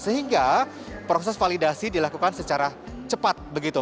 sehingga proses validasi dilakukan secara cepat begitu